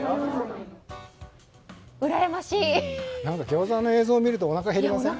餃子の映像を見るとおなかが減りません？